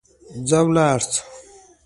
ځه ولاړ سه.